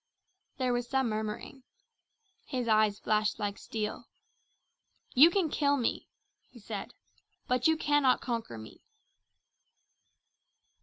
There was some murmuring. His eyes flashed like steel. "You can kill me," he said, "but you cannot conquer me."